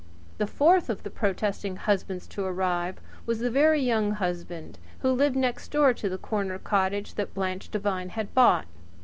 The fourth of the protesting husbands to arrive was the Very Young Husband, who lived next door to the corner cottage that Blanche Devine had bought.